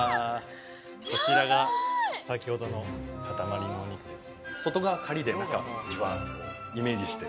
こちらが先ほどの塊のお肉です。